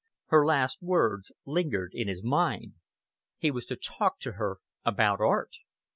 Her last words lingered in his mind. He was to talk to her about art!